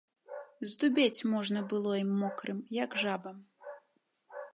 Здубець можна было ім, мокрым, як жабам.